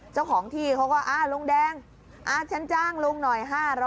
เจ้าของที่เขาก็ลุงแดงฉันจ้างลุงหน่อย๕๐๐